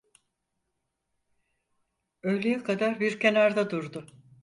Öğleye kadar bir kenarda durdu.